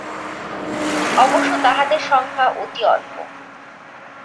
অবশ্য তাঁহাদের সংখ্যা অতি অল্প।